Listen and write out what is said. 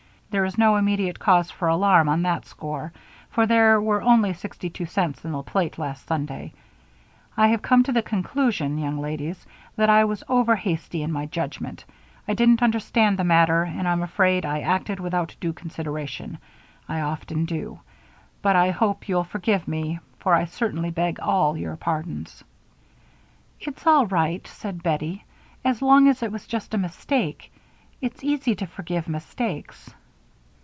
There is no immediate cause for alarm on this score, for there were only sixty two cents in the plate last Sunday. I have come to the conclusion, young ladies, that I was overhasty in my judgment. I didn't understand the matter, and I'm afraid I acted without due consideration I often do. But I hope you'll forgive me, for I sincerely beg all your pardons." "It's all right," said Bettie, "as long as it was just a mistake. It's easy to forgive mistakes."